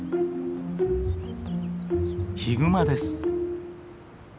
ヒグマです。